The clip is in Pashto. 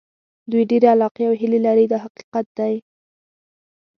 دوی ډېرې علاقې او هیلې لري دا حقیقت دی.